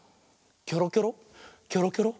キョロキョロキョロキョロ。